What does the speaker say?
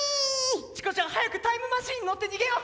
チコちゃん早くタイムマシンに乗って逃げよう。